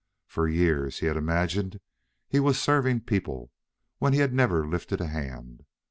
For years he had imagined he was serving people, when he had never lifted a hand.